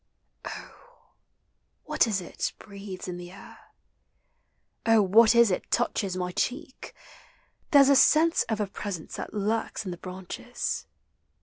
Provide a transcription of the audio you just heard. Oh, what is it breathes in the air? Oh, what is it touches my cheek? There's a sense of a presence thai lurks in the branches.